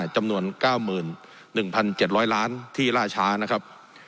จำนวน๙๑๗๐๐ล้านที่ล่าช้านะครับ